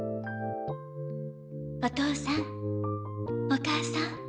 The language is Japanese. お父さんお母さん。